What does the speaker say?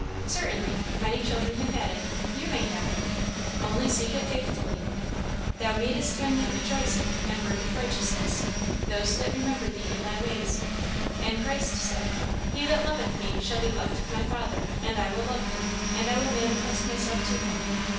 "Certainly many children have had it you may have it. Only seek it faithfully. 'Thou meetest him that rejoiceth and worketh righteousness, those that remember thee in thy ways.' And Christ said, 'He that loveth me shall be loved of my Father, and I will love him, and I will manifest myself to him.'